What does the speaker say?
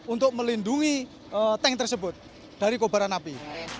untuk melindungi tank tersebut dari kobaran api